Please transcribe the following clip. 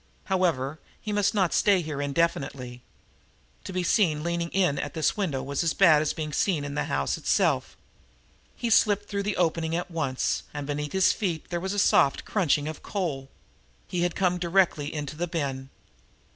However, he must not stay here indefinitely. To be seen leaning in at this window was as bad as to be seen in the house itself. He slipped through the opening at once, and beneath his feet there was a soft crunching of coal. He had come directly into the bin.